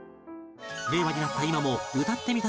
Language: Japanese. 令和になった今も「歌ってみた」